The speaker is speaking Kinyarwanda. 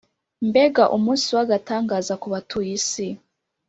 mbega umunsi w’agatangaza ku batuye isi!